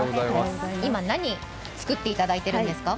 今、何作っていただいているんですか？